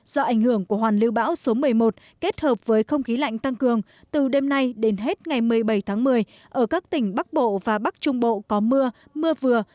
do ảnh hưởng của hoàn lưu bão số một mươi một kết hợp với không khí lạnh tăng cường từ đêm nay đến hết ngày một mươi bảy tháng một mươi ở các tỉnh bắc bộ và bắc trung bộ có mưa mưa vừa